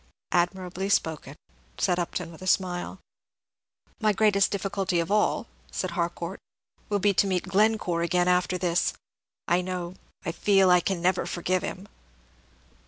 "Admirably spoken," said Upton, with a smile. "My greatest difficulty of all," said Harcourt, "will be to meet Glencore again after this. I know I feel I never can forgive him."